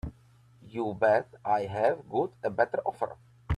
You bet I've got a better offer.